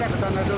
dek kesana dulu